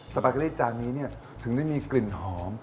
ปาเกอรี่จานนี้ถึงได้มีกลิ่นหอม